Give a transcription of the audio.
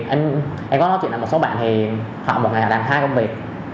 em có nói chuyện với một số bạn thì họ một ngày họ làm thai công việc